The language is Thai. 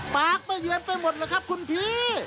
ปากไม่เยือนไปหมดเลยครับคุณพี่